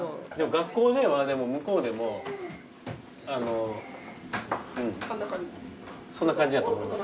学校では向こうでもあのうんそんな感じやと思います。